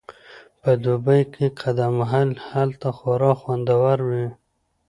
په دوبي کې قدم وهل هلته خورا خوندور وي